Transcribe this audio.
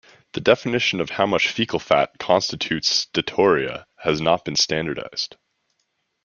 The definition of how much fecal fat constitutes steatorrhea has not been standardized.